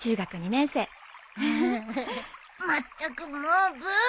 ・まったくもうブー。